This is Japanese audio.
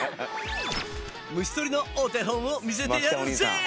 虫とりのお手本を見せてやるぜ！